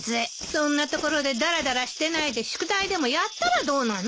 そんな所でだらだらしてないで宿題でもやったらどうなの？